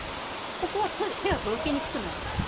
ここは手が届きにくくなるんですよ。